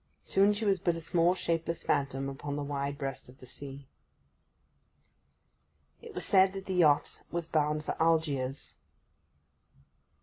Soon she was but a small, shapeless phantom upon the wide breast of the sea. It was said that the yacht was bound for Algiers.